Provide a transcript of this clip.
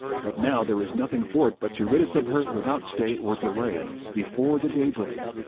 but now there is nothing for it but to rid us of her without stay or delay, before the day break."